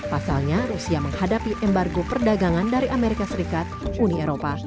pasalnya rusia menghadapi embargo perdagangan dari amerika serikat uni eropa